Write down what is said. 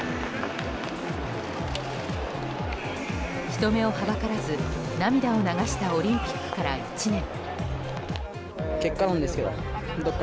人目をはばからず涙を流したオリンピックから、１年。